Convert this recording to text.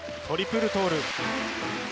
トリプルトーループ。